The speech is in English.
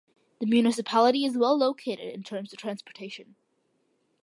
The municipality is well located in terms of transportation.